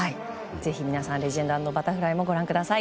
ぜひ皆さん「レジェンド＆バタフライ」もご覧ください。